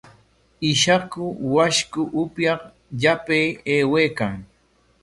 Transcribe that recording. Ishaku washku upyaq yapay aywaykan.